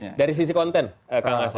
oke dari sisi konten kak mas